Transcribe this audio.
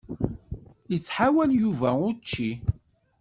Ittḥawal Yuba učči.